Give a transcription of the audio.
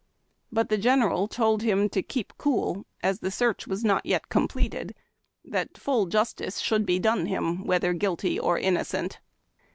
But the General told him to keep cool, as the search was not yet completed; that full justice should be done him whether guilty or innocent.